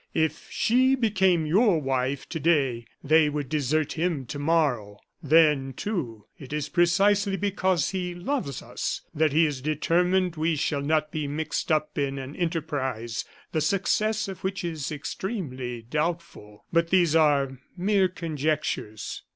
If she became your wife to day, they would desert him tomorrow. Then, too, it is precisely because he loves us that he is determined we shall not be mixed up in an enterprise the success of which is extremely doubtful. But these are mere conjectures."